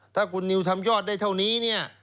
ถ้าคุณนิวทำยอดได้เท่านี้เนี่ย